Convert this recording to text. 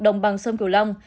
đồng bằng sông kiều long